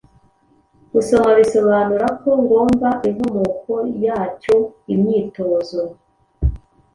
gusoma bisobanurako ngomba inkomoko yacyo imyitozo